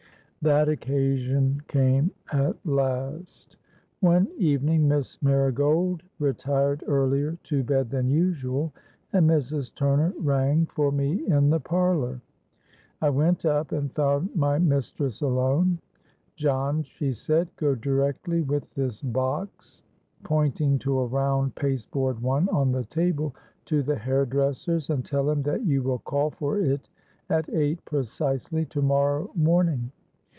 That occasion came at last. One evening Miss Marigold retired earlier to bed than usual; and Mrs. Turner rang for me in the parlour. I went up and found my mistress alone. 'John,' she said, 'go directly with this box,'—pointing to a round paste board one on the table—'to the hair dresser's, and tell him that you will call for it at eight precisely to morrow morning.